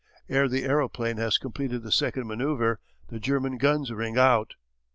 Ere the aeroplane has completed the second manoeuvre the German guns ring out.